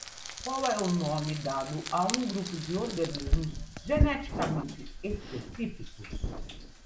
Qual é o nome dado a um grupo de organismos geneticamente específicos?